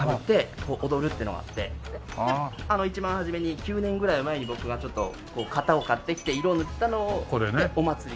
で一番初めに９年ぐらい前に僕がちょっと型を買ってきて色を塗ったのをお祭りで。